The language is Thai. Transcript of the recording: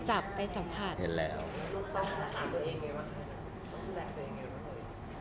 นุ๊ตต้องทำภารกิจตัวเองไงฮะ